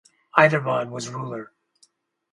Hyderabad was ruler.